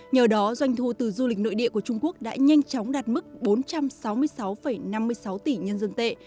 nhờ đó doanh thu từ du lịch nội địa của trung quốc đã nhanh chóng đạt mức bốn trăm sáu mươi sáu năm mươi sáu tỷ nhân dân tệ